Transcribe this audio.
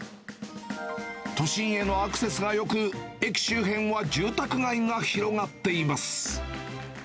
都心へのアクセスがよく、駅周辺は住宅街が広がっています。